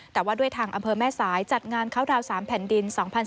แต่ว่าด้วยทางอำเภอแม่สายจัดงานเข้าดาวน๓แผ่นดิน